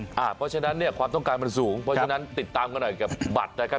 เพราะฉะนั้นความต้องการมันสูงติดตามกันหน่อยกับบัตรนะครับ